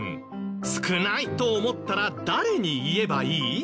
少ないと思ったら誰に言えばいい？